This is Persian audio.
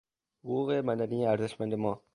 حقوق مدنی ارزشمند ما